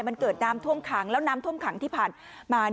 มันเกิดน้ำท่วมขังแล้วน้ำท่วมขังที่ผ่านมา